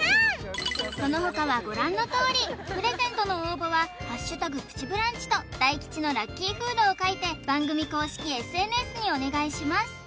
そのほかはご覧のとおりプレゼントの応募は「＃プチブランチ」と大吉のラッキーフードを書いて番組公式ＳＮＳにお願いします